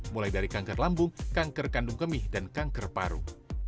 mulai dari kanker lambung kanker kandung kemih dan kanker paru